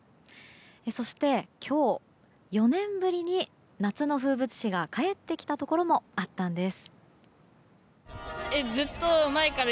そして、今日４年ぶりに夏の風物詩が帰ってきたところもあったんです。